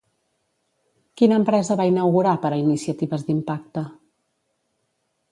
Quina empresa va inaugurar per a iniciatives d'impacte?